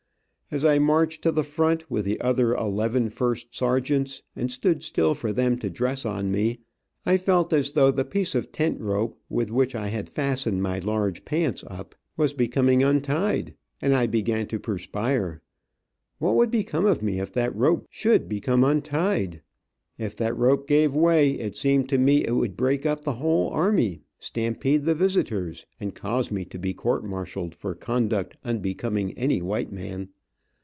As I marched to the front, with the other eleven first sergeants, and stood still for them to dress on me, I felt as though the piece of tent rope with which I had fastened my large pants up, was becoming untied, and I began to perspire. What would become of me if that rope should become untied? If that rope gave way, it seemed to me it would break up the whole army, stampede the visitors, and cause me to be court martialed for conduct unbecoming any white man.